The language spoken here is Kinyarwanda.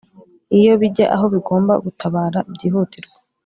iyo bijya aho bigomba gutabara byihutirwa